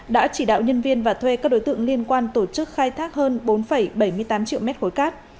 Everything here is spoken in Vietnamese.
đã chỉ đạo nhân viên và thuê các đối tượng liên quan tổ chức khai thác hơn bốn bảy mươi tám triệu mét khối cát